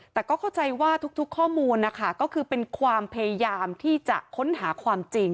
แต่ก็เข้าใจว่าทุกข้อมูลนะคะก็คือเป็นความพยายามที่จะค้นหาความจริง